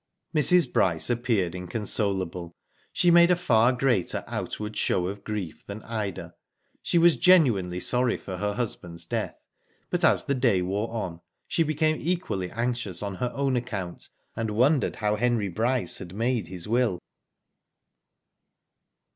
Mrs. Bryce appeared inconsolable. She made a far greater outward show of grief than Ida. She was genuinely sorry for her husband's death, but as the day wore on, she became equally anxious on her own account, and wondered how Henry Bryce had made his will.